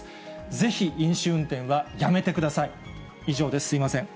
ぜひ飲酒運転はやめてください。